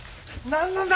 何なんだ！？